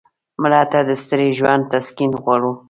مړه ته د ستړي ژوند تسکین غواړو